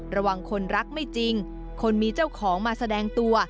ระวังคนรักไม่จริงคนมีเจ้าของมาแสดงตัว